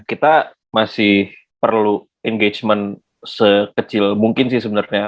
kita masih perlu engagement sekecil mungkin sih sebenarnya